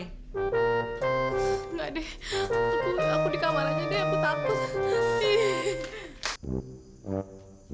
enggak deh aku di kamar aja deh aku takut